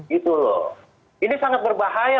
gitu loh ini sangat berbahaya